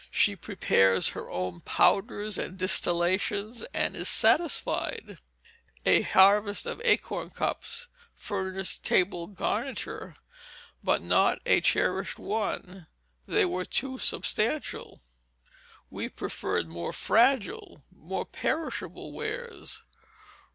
She prepares her own powders and distillations and is satisfied. A harvest of acorn cups furnished table garniture, but not a cherished one; they were too substantial; we preferred more fragile, more perishable wares.